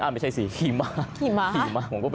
ไม่ใช่สิขี่ม้าขี่ม้า